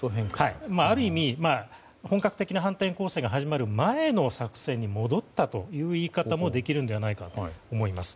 ある意味、本格的な反転攻勢が始まる前の展開に戻ったという言い方もできるのではないかと思います。